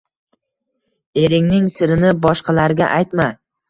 Eringning sirini boshqalarga aytma.